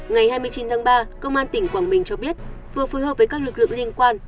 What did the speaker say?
ngày hai mươi chín tháng ba công an tỉnh quảng bình cho biết vừa phối hợp với các lực lượng liên quan